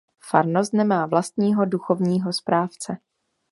Farnost nemá vlastního duchovního správce.